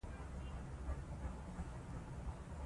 زده کړه ښځه د پیسو مدیریت زده کړی.